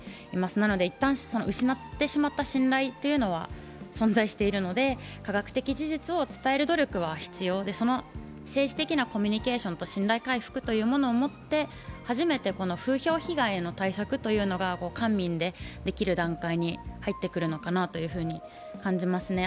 なので一旦失ってしまった信頼というのは存在しているので科学的事実を伝える努力は必要で、その政治的なコミュニケーションと信頼回復というものをもって初めて風評被害への対策というのが官民でできる段階に入ってくるのかなと感じますね。